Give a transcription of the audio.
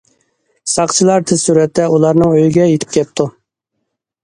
ساقچىلار تېز سۈرئەتتە ئۇلارنىڭ ئۆيىگە يېتىپ كەپتۇ.